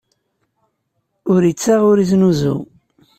Ur ittaɣ, ur iznuzu.